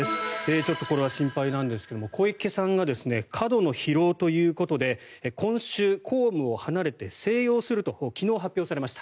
ちょっとこれは心配なんですが小池さんが過度の疲労ということで今週、公務を離れて静養すると昨日発表されました。